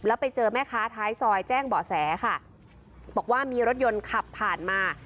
แล้วไปเจอแม่ค้าท้ายซอยแจ้งเบาะแสค่ะบอกว่ามีรถยนต์ขับผ่านมา